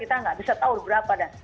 kita nggak bisa tahu berapa dan